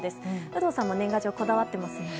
有働さんも年賀状こだわっていますよね。